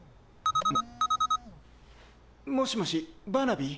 ん？もしもしバーナビー？